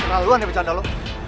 terlaluan ya bercanda lu